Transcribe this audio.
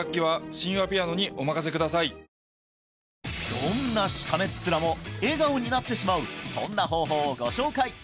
どんなしかめっ面も笑顔になってしまうそんな方法をご紹介！